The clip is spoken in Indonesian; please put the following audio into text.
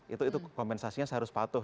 itu kompensasinya saya harus patuh